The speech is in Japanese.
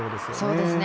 そうですね。